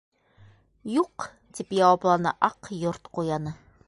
—Юҡ, —тип яуапланы Аҡ Йорт ҡуяны.